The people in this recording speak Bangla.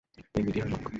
এই মিডিয়ার লোকেরা।